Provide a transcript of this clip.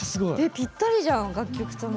ぴったりじゃん楽曲とも。